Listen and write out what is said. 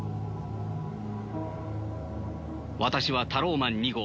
私はタローマン２号。